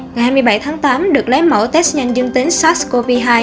ngày hai mươi bảy tháng tám được lấy mẫu test nhanh dương tính sars cov hai